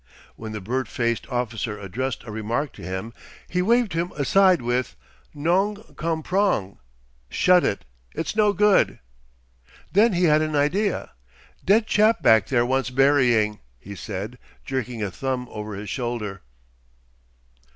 When the bird faced officer addressed a remark to him, he waved him aside with, "Nong comprong. Shut it! It's no good." Then he had an idea. "Dead chap back there wants burying," he said, jerking a thumb over his shoulder.